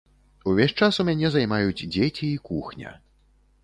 Увесь час у мяне займаюць дзеці і кухня.